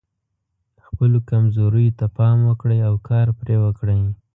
خپلو کمزوریو ته پام وکړئ او کار پرې وکړئ.